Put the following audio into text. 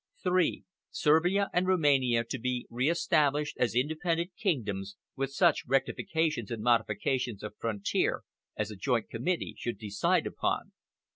3. Servia and Roumania to be reestablished as independent kingdoms, with such rectifications and modifications of frontier as a joint committee should decide upon.